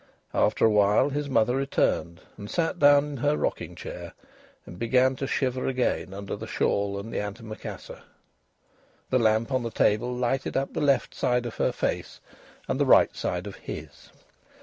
After a while his mother returned, and sat down in her rocking chair, and began to shiver again under the shawl and the antimacassar. The lamp on the table lighted up the left side of her face and the right side of his.